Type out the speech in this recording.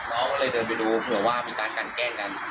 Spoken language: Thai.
เขาเลยเดินไปดูเผื่อว่ามีตัวการแก้ง